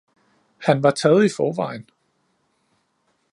Han var taget iforvejen.